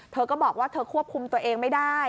เธอก็บอกว่าเธอควบคุมตัวเองไม่ได้